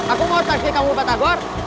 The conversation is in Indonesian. aku mau taksi kamu patagor